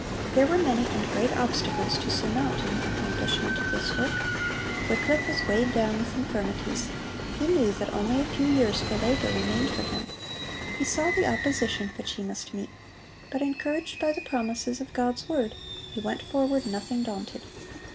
There were many and great obstacles to surmount in the accomplishment of this work. Wycliffe was weighed down with infirmities; he knew that only a few years for labor remained for him; he saw the opposition which he must meet; but, encouraged by the promises of God's word, he went forward nothing daunted.